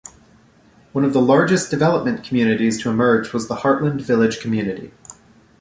One of the largest development communities to emerge was the Heartland Village community.